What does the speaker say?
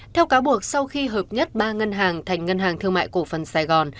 theo cáo buộc sau khi hợp nhất ba ngân hàng thành ngân hàng thương mại cổ phần sài gòn